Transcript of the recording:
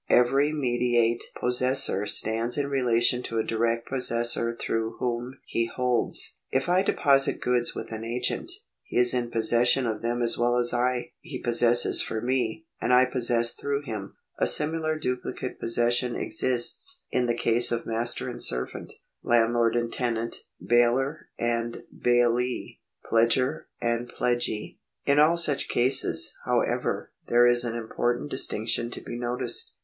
Every mediate possessor stands in relation to a direct possessor through whom he holds. If I deposit goods with an agent, he is in possession of them as well as I. He possesses for me, and I possess through him. A similar duplicate possession exists in the case of master and servant, landlord and tenant, bailor and bailee, pledgor and pledgee. In all such cases, however, there is an important distinction to be noticed.